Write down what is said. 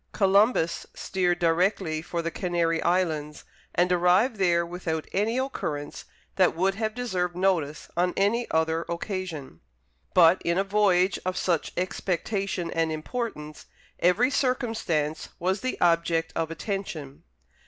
Columbus steered directly for the Canary Islands, and arrived there without any occurrence that would have deserved notice on any other occasion. But, in a voyage of such expectation and importance, every circumstance was the object of attention.